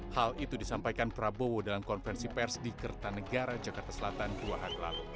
hal itu disampaikan prabowo dalam konferensi pers di kertanegara jakarta selatan dua hari lalu